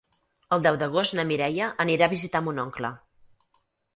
El deu d'agost na Mireia anirà a visitar mon oncle.